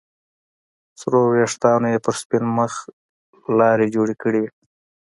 سرو ويښتانو يې پر سپين مخ لارې جوړې کړې وې.